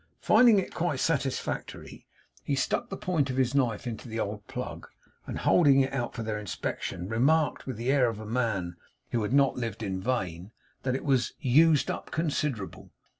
Finding it quite satisfactory, he stuck the point of his knife into the old plug, and holding it out for their inspection, remarked with the air of a man who had not lived in vain, that it was 'used up considerable.